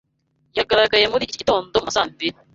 yagaragaye muri iki gitondo mu ma sa mbiri